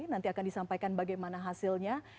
nanti akan disampaikan bagaimana hasilnya